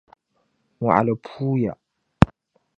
Mɔɣili puuya.